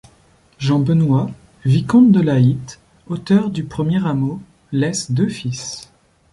Jean-Benoit, vicomte de la Hitte, auteur du premier rameau, laisse deux fils.